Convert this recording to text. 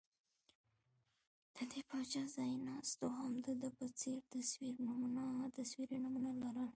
د دې پاچا ځایناستو هم د ده په څېر تصویري نومونه لرل